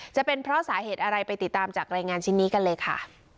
จะเป็นเพราะสาเหตุอะไรไปติดตามจากรายงานชิ้นนี้กันเลยค่ะ